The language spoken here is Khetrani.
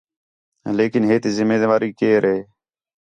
لیکن ہے تی ذِمہ واری کیئر